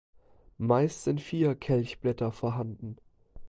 Meist sind vier Kelchblätter vorhanden.